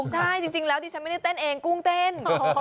ใช่จริงแล้วดิฉันไม่ได้เต้นเองกุ้งเต้น